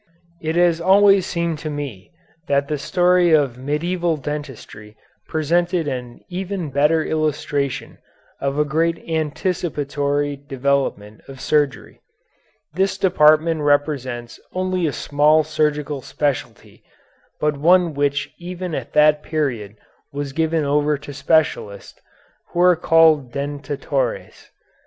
It has always seemed to me that the story of Medieval Dentistry presented an even better illustration of a great anticipatory development of surgery. This department represents only a small surgical specialty, but one which even at that period was given over to specialists, who were called dentatores.